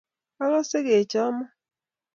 Akase kechomo